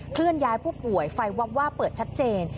เคลื่อนย้ายผู้ป่วยไฟวับวาบเปิดชัดเจน